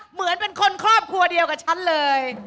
เหมือนเป็นคนครอบครัวเดียวกับฉันเลย